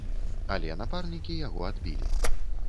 Але напарнікі яго адбілі.